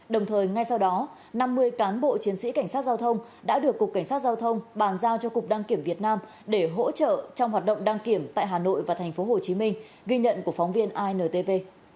đồng thời ngay sau đó năm mươi cán bộ chiến sĩ cảnh sát giao thông đã được cục cảnh sát giao thông bàn giao cho cục đăng kiểm việt nam để hỗ trợ trong hoạt động đăng kiểm tại hà nội và tp hcm ghi nhận của phóng viên intv